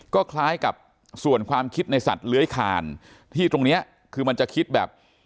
ก็คล้ายกับส่วนความคิดในสัตว์เลื้อยคานที่ตรงเนี้ยคือมันจะคิดแบบ